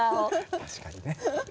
確かにね。